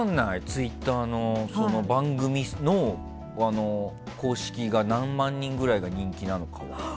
ツイッターの番組の公式が何万人ぐらいで人気なのかを。